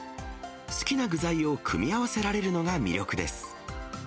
好きな具材を組み合わせられるのが魅力です。